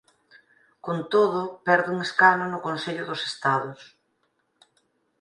Con todo perde un escano no Consello dos Estados.